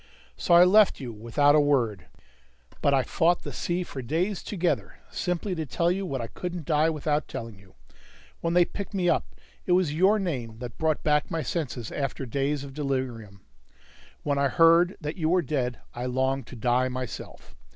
So I left you without a word. But I fought the sea for days together simply to tell you what I couldn't die without telling you. When they picked me up, it was your name that brought back my senses after days of delirium. When I heard that you were dead, I longed to die myself.